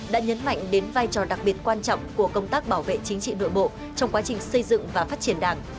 đã nhấn mạnh đến vai trò đặc biệt quan trọng của công tác bảo vệ chính trị nội bộ trong quá trình xây dựng và phát triển đảng